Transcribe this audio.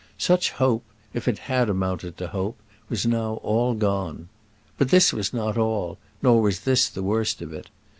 Such hope, if it had amounted to hope, was now all gone. But this was not all, nor was this the worst of it.